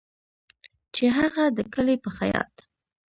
چې هغه د کلي په خیاط